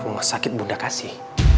ngesakit bunda kasih